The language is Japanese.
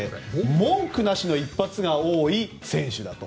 文句なしの一発が多い選手だと。